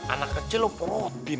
anak kecil lo perutin